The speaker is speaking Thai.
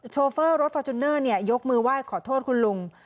โชเฟอร์รถฟอร์จูเนอร์ยกมือไหว้ขอโทษคุณลุง